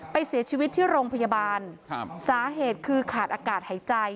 เสียชีวิตที่โรงพยาบาลครับสาเหตุคือขาดอากาศหายใจ